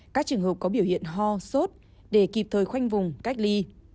các trường hợp có biểu hiện ho sốt để kịp thời khoanh vùng cách ly